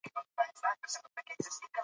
مس د افغانانو د اړتیاوو د پوره کولو وسیله ده.